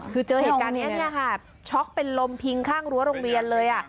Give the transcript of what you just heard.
คือเจอเหตุการณ์นี้เนี่ยค่ะช็อกเป็นลมพิงข้างรั้วโรงเรียนเลย